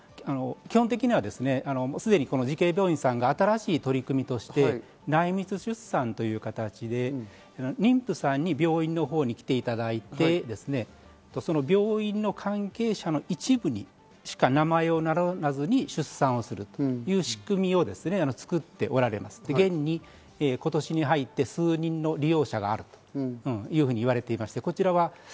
基本的にはすでに慈恵病院さんが新しい取り組みとして内密出産という形で妊婦さんに病院のほうに来ていただいて、病院の関係者の一部にしか名前を名乗らずに出産をするという仕組みを作っておられます、現に今年に入って数人の利用者があるというふうに言われています。